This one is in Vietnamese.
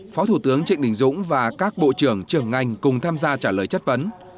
phó thủ tướng trịnh đình dũng và các bộ trưởng trưởng ngành cùng tham gia trả lời chất vấn